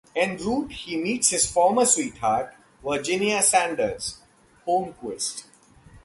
En route he meets his former sweetheart Virginia Sanders (Holmquist).